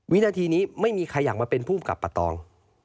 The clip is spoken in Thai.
วินาทีนี้ไม่มีใครอยากมาเป็นภูมิกับปะตอง